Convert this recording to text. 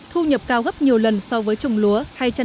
thu nhập cao gấp nhiều lần so với trồng lúa